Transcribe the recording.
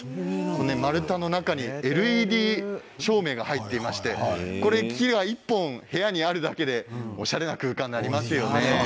丸太の中にＬＥＤ照明が入っていましてこの木が１本、部屋にあるだけでおしゃれな空間になりますよね。